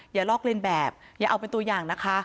ลอกเลียนแบบอย่าเอาเป็นตัวอย่างนะคะ